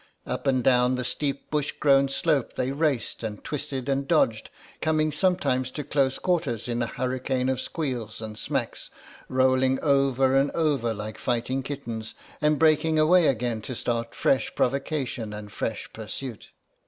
Up and down the steep bush grown slope they raced and twisted and dodged, coming sometimes to close quarters in a hurricane of squeals and smacks, rolling over and over like fighting kittens, and breaking away again to start fresh provocation and fresh pursuit.